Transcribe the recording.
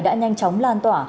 đã nhanh chóng lan tỏa